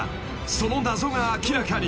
［その謎が明らかに］